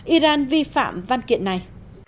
iran vi phạm văn kiện này